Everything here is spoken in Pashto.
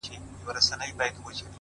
تا د جنگ لويه فلـسفه ماتــه كــړه!